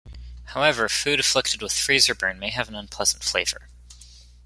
However, food afflicted with freezer burn may have an unpleasant flavour.